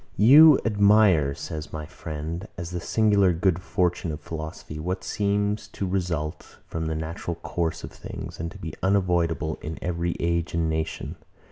You admire, says my friend, as the singular good fortune of philosophy, what seems to result from the natural course of things, and to be unavoidable in every age and nation.